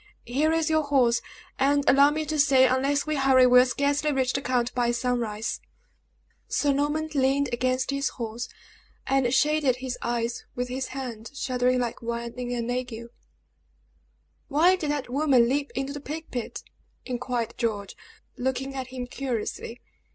Here is your horse; and allow me to say, unless we hurry we will scarcely reach the count by sunrise." Sir Norman leaned against his horse, and shaded his eyes with his hand, shuddering like one in an ague. "Why did that woman leap into the plague pit?" inquired George, looking at him curiously.